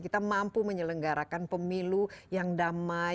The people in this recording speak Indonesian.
kita mampu menyelenggarakan pemilu yang damai